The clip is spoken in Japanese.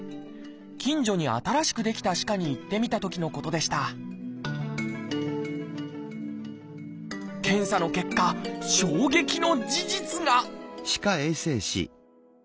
近所に新しく出来た歯科に行ってみたときのことでした検査の結果ええ！ってどういうこと！？